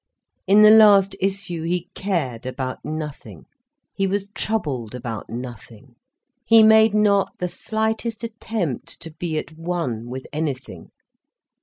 In the last issue he cared about nothing, he was troubled about nothing, he made not the slightest attempt to be at one with anything.